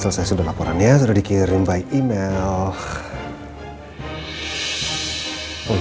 selesai sudah laporan ya sudah dikirim by email